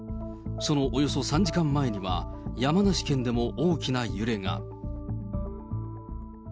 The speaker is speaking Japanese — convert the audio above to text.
そのおよそ３時間前には、山梨県でも大きな揺れが。